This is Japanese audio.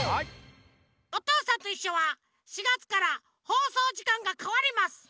「おとうさんといっしょ」は４がつからほうそうじかんがかわります。